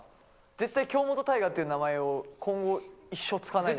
絶対、京本大我っていう名前を今後、一生使わない。